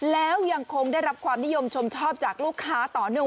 แล้วยังคงได้รับความนิยมชมชอบจากลูกค้าต่อเนื่อง